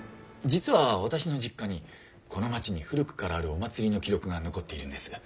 実は私の実家にこの町に古くからあるお祭りの記録が残っているんです。